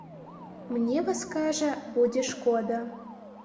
Мне вас, кажа, будзе шкода.